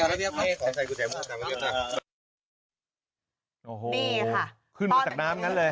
โอ้โหคุณมาจากน้ำกันเลย